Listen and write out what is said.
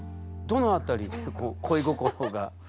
どの辺りで恋心が？